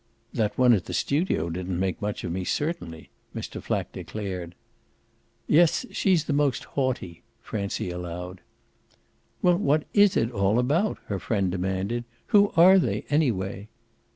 "That one at the studio didn't make much of me, certainly," Mr. Flack declared. "Yes, she's the most haughty," Francie allowed. "Well, what is it all about?" her friend demanded. "Who are they anyway?"